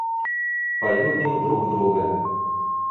Полюбим друг друга.